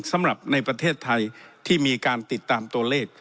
สำหรับในประเทศไทยที่มีการติดตามตัวเลข